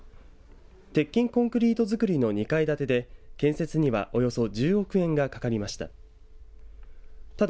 鉄筋コンクリート造りの２階建てで建設にはおよそ１０億円がかかりました。